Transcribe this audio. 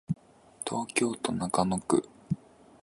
東京都中野区